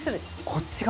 こっち側？